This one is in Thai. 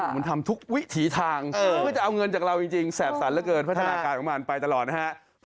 มันทำทุกวิถีทางเพื่อจะเอาเงินจากเราจริงแสบสันเหลือเกินพัฒนาการของมันไปตลอดนะฮะ